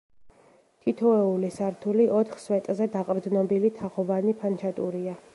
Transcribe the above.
თითოეული სართული ოთხ სვეტზე დაყრდნობილი თაღოვანი ფანჩატურია.